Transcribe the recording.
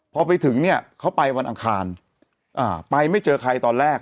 พอไปถึงเนี่ยเขาไปวันอังคารไปไม่เจอใครตอนแรก